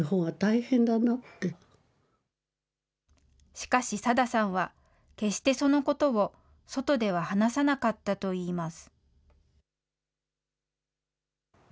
しかし、さださんは決してそのことを外では話さなかったといいます。